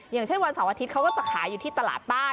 อย่างเช่นวันเสาร์อาทิตย์เขาก็จะขายอยู่ที่ตลาดใต้